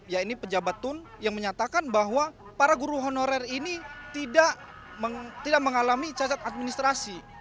ya ini pejabat tun yang menyatakan bahwa para guru honorer ini tidak mengalami cacat administrasi